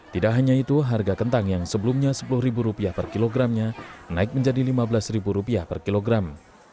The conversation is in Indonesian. tidak hanya itu harga kentang yang sebelumnya rp sepuluh per kilogramnya naik menjadi rp lima belas per kilogram